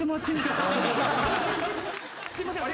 すいません。